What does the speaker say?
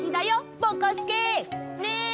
ぼこすけ！ね！